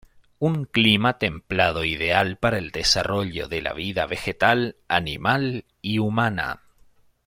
Un clima templado ideal para el desarrollo de la vida vegetal, animal y humana.